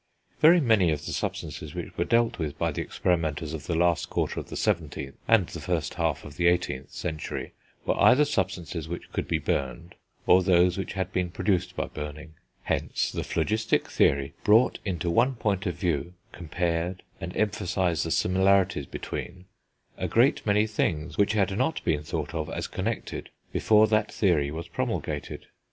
Very many of the substances which were dealt with by the experimenters of the last quarter of the 17th, and the first half of the 18th, century, were either substances which could be burned, or those which had been produced by burning; hence the phlogistic theory brought into one point of view, compared, and emphasised the similarities between, a great many things which had not been thought of as connected before that theory was promulgated.